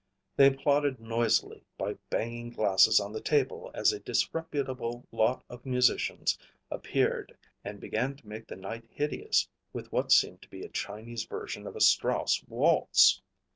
They applauded noisily by banging glasses on the table as a disreputable lot of musicians appeared and began to make the night hideous with what seemed to be a Chinese version of a Strauss waltz.